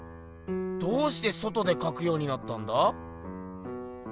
どうして外でかくようになったんだ？